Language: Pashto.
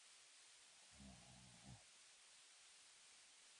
يو شمېر کسان په کرکو او نفرتونو روږدي دي.